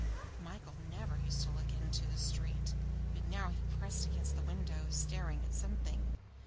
Michael never used to look out into the street, but now he pressed against the window, staring at something.